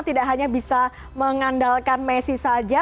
tidak hanya bisa mengandalkan messi saja